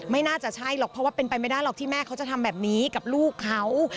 ไม่น่าจะใช่หรอกเพราะว่าเป็นไปไม่ได้หรอกที่แม่เขาจะทำแบบนี้กับลูกเขา